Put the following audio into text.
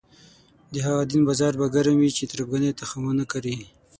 د هغه دین بازار به ګرم وي چې تربګنۍ تخم ونه کري.